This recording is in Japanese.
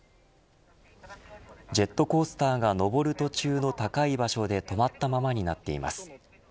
ジェットコースターが上る途中の高い場所で止まったままになっています。